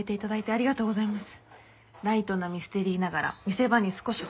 ありがとうございます。